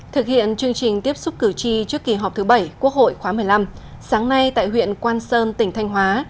thực hiện chương trình tiếp xúc cử tri trước kỳ họp thứ bảy quốc hội khóa một mươi năm sáng nay tại huyện quan sơn tỉnh thanh hóa